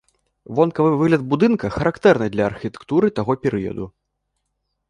Вонкавы выгляд будынка характэрны для архітэктуры таго перыяду.